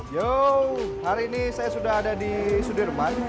you hari ini saya sudah ada di sudirman